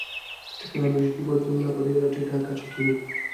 ټکنالوژیکي بدلونونه په ډېره ټیټه کچه کې و